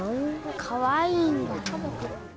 かわいいんだもん。